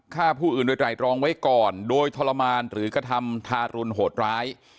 ฆ่าผู้อื่นโดยไตรรองไว้ก่อนโดยทรมานหรือกระทำทารุณโหดร้าย